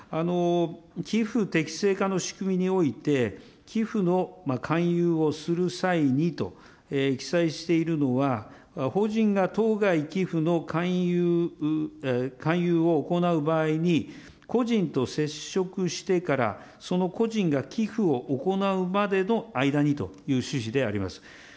寄付適正化の仕組みにおいて、寄付の勧誘をする際にと記載しているのは、法人が当該寄付の勧誘を行う場合に、個人と接触してからその個人が寄付を行うまでの間にという趣旨であります。